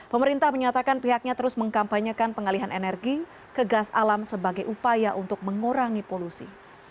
pemerintah menyatakan pihaknya terus mengkampanyekan pengalihan energi ke gas alam sebagai upaya untuk mengurangi polusi